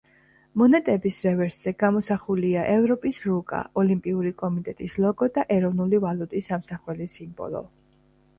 მონეტების რევერსზე გამოსახულია ევროპის რუკა, ოლიმპიური კომიტეტის ლოგო და ეროვნული ვალუტის ამსახველი სიმბოლო.